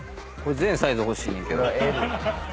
全サイズ欲しいねんけど。